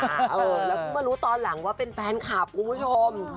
แล้วเพิ่งมารู้ตอนหลังว่าเป็นแฟนคลับคุณผู้ชม